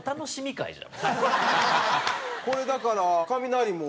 これだからカミナリも。